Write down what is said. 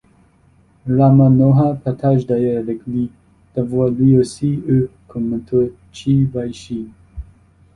Rammanohar partage d'ailleurs avec Li d'avoir lui aussi eu comme mentor Qi Baishi.